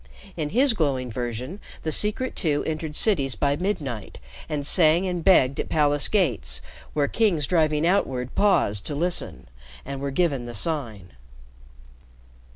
In his glowing version the Secret Two entered cities by midnight and sang and begged at palace gates where kings driving outward paused to listen and were given the Sign.